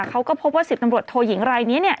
เขาก็พบว่าสิบตำรวจโทหยิงไร้นี้เนี่ย